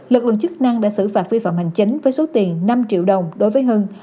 lực lượng chức năng đã xử phạt vi phạm hành chính với số tiền năm triệu đồng đối với hưng